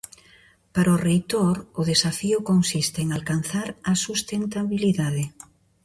Para o reitor, o desafío consiste en alcanzar a sustentabilidade.